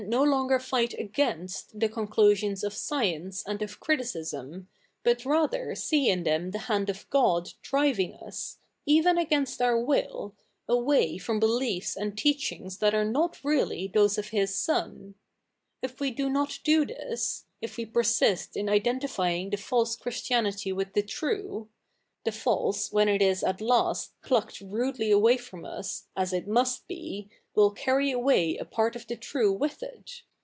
io lo7iger fight against the conclusions of science a fid of criticism, but rather see in them the ha fid of God drivifig us, evefi against our ivill, away from beliefs and teachifigs that are not really those of His son. If we do fiot do this — if ive persist in idefitifying the false Christi afiity with the trite — the false, whefi it is at last plucked rudely awayfom us, as it ffiust be, will carry away a part \ of the true with it.